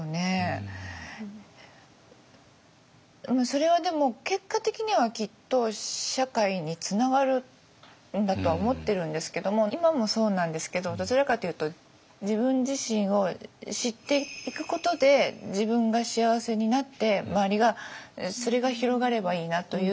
それはでも結果的にはきっと社会につながるんだとは思ってるんですけども今もそうなんですけどどちらかというと自分自身を知っていくことで自分が幸せになって周りがそれが広がればいいなという。